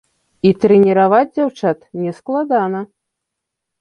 І трэніраваць дзяўчат не складана.